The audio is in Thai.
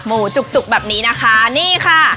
ไม่นานค่ะ